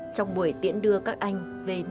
trong buổi tiễn đưa các anh về nội dung